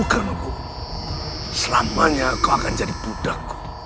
bukan aku selamanya kau akan jadi buddha ku